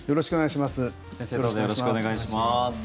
よろしくお願いします。